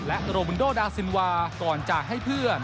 และโรมันโดดาซินวาก่อนจากให้เพื่อน